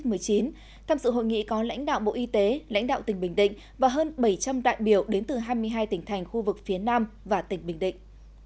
tham dự hội nghị có lãnh đạo bộ y tế lãnh đạo tỉnh bình định và hơn bảy trăm linh đại biểu đến từ hai mươi hai tỉnh thành khu vực phía nam và tỉnh bình định